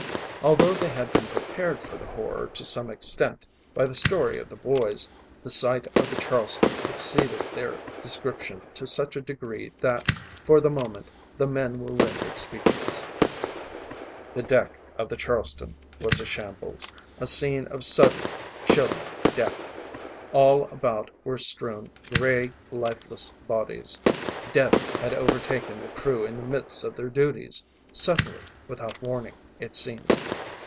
Although they had been prepared for the horror to some extent by the story of the boys, the sight on the Charleston exceeded their description to such a degree that, for the moment, the men were rendered speechless. The deck of the Charleston was a shambles a scene of sudden, chilling death. All about were strewn gray, lifeless bodies. Death had overtaken the crew in the midst of their duties, suddenly, without warning, it seemed.